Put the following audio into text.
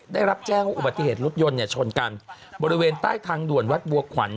ได้รับแจ้งว่าอุบัติเหตุรถยนต์เนี่ยชนกันบริเวณใต้ทางด่วนวัดบัวขวัญ